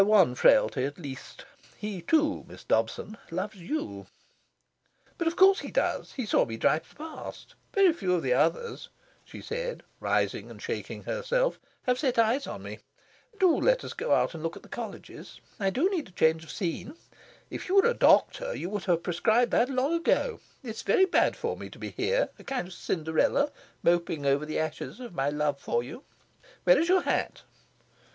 "One frailty, at least: he, too, Miss Dobson, loves you." "But of course he does. He saw me drive past. Very few of the others," she said, rising and shaking herself, "have set eyes on me. Do let us go out and look at the Colleges. I do need change of scene. If you were a doctor, you would have prescribed that long ago. It is very bad for me to be here, a kind of Cinderella, moping over the ashes of my love for you. Where is your hat?"